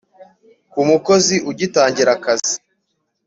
ku mukozi ugitangira akazi,